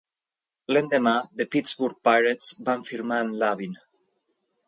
L'endemà, The Pittsburgh Pirates van firmar amb Labine.